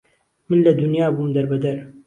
من لە دونیا بوم دەر بەدەر